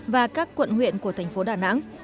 và các quận huyện của thành phố đà nẵng